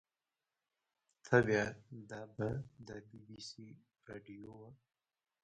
ته وا دا به د بي بي سي راډيو وه.